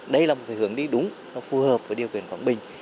đây là một cái hướng đi đúng nó phù hợp với điều kiện quảng bình